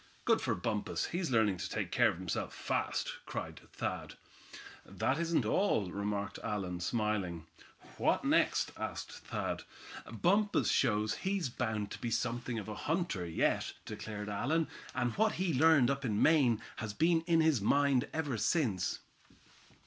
"Good for Bumpus, he's learning to take care of himself fast," cried Thad. "That isn't all," remarked Allan, smiling. "What next?" asked Thad. "Bumpus shows he's bound to be something of a hunter yet," declared Allan, "and what he learned up in Maine has been in his mind ever since."